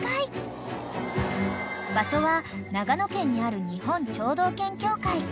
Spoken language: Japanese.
［場所は長野県にある日本聴導犬協会］